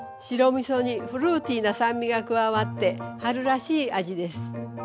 白みそにフルーティーな酸味が加わって春らしい味です。